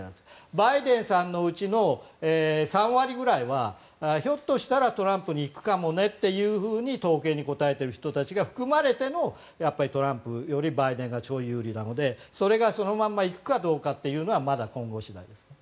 バイデンさんのうちの３割ぐらいはひょっとしたらトランプにいくかもねというふうに統計に答えている人たちが含まれてもトランプよりバイデンが有利なのでそれがそのまま行くかどうかというのは今後次第です。